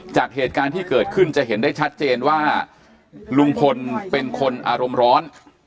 จากเหตุการณ์ที่เกิดขึ้นจะเห็นได้ชัดเจนว่าลุงพลเป็นคนอารมณ์ร้อน